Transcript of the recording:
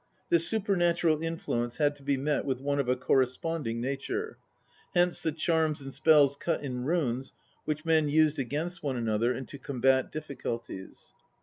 This supernatural influence had to be met with one of a corresponding nature ; hence the charms and spells cut in runes which men used against one another and to combat difficulties.